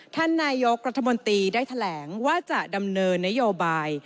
ท่านนายกรัฐมนตรีได้แถลงว่าจะดำเนินนโยบาย